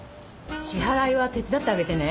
支払いは手伝ってあげてね